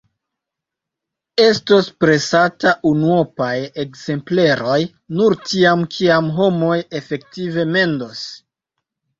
Estos presataj unuopaj ekzempleroj nur tiam, kiam homoj efektive mendos.